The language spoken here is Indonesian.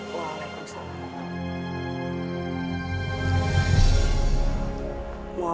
mau apa kamu datang sini